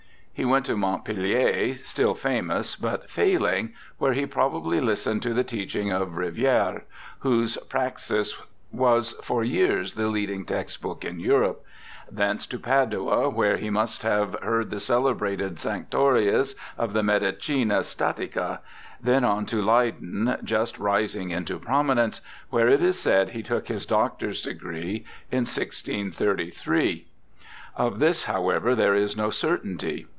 He went to Montpellier, still famous, SIR THOMAS BROWNE 251 but failing, where he probably Hstened to the teaching of Riviere, whose Praxis was for years the leading textbook in Europe— thence to Padua, where he must have heard the celebrated Sanctorius of the Medicina Statica — then on to Leyden, just rising into prominence, where it is said he took his doctor's degree in 1633. Of this, however, there is no certainty.